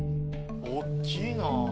おっきいな。